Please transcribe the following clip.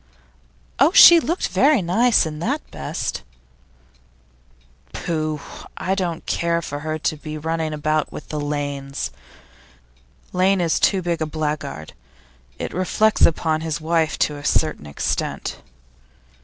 'Oh, she looked very nice, in that best.' 'Pooh! But I don't care for her to be running about with the Lanes. Lane is too big a blackguard; it reflects upon his wife to a certain extent.